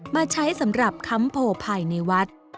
มาใช้สำหรับค้ำโพภายในวัด